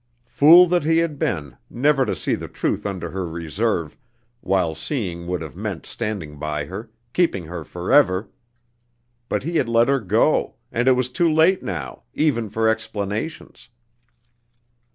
Fool that he had been, never to see the truth under her reserve, while seeing would have meant standing by her, keeping her forever! But he had let her go, and it was too late now, even for explanations.